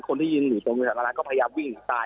คนที่ยืนอยู่ตรงด้านล้างก็พยายามวิ่งตาย